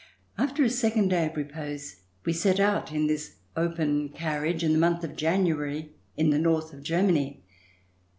After a second day of repose we set out in this open carriage in the month of January, in the north of Germany.